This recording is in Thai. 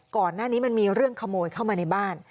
ก่อนหน้านี้มันมีเรื่องขโมยเข้ามาในบ้าน